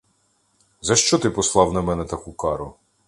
За що ти послав на мене таку кару?